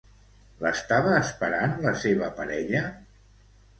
L'estava esperant la seva parella?